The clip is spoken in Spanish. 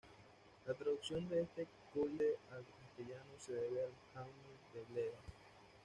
La traducción de este códice al castellano se debe a Jaume de Bleda.